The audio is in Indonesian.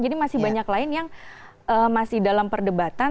jadi masih banyak lain yang masih dalam perdebatan